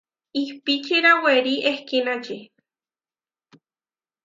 Ihpíčira werí ehkínači.